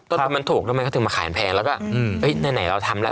ต้นทุนมันถูกแล้วมันก็ถึงมาขายแพงแล้วก็อืมเอ้ยไหนเราทำแล้ว